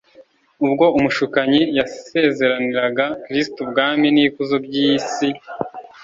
Ubwo umushukanyi yasezeraniraga Kristo ubwami n’ikuzo by’iyi si,